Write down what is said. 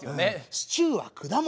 シチューは果物。